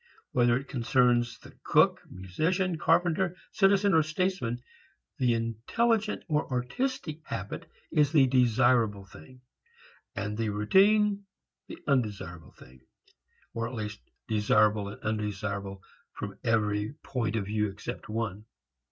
Whether it concerns the cook, musician, carpenter, citizen, or statesman, the intelligent or artistic habit is the desirable thing, and the routine the undesirable thing: or, at least, desirable and undesirable from every point of view except one.